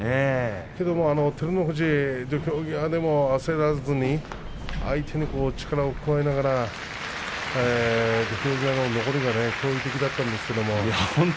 でも照ノ富士は土俵際でも焦らずに相手に力を加えながら土俵際、残りが驚異的だったんですけれど。